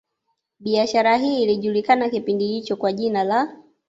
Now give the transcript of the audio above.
Biashara hii ilijulikana kipindi hicho kwa jina la